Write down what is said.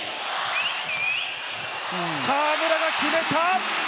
河村が決めた！